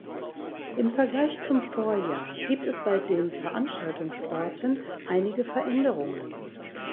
Im Vergleich zum Vorjahr gibt es bei den Veranstaltungsorten einige Veränderungen.